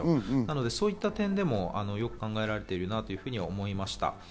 そういった点でも、よく考えられていると思いました。